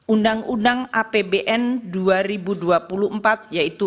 undang undang apbn dua ribu dua puluh empat yaitu